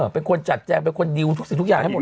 เป็นคนดิวทุกอย่างให้หมดเลย